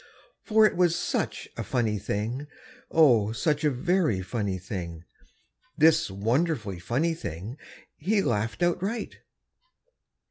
For it was such a funny thing, O, such a very funny thing, This wonderfully funny thing, He Laughed Outright.